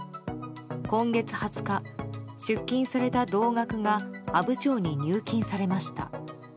今月２０日出金された同額が阿武町に入金されました。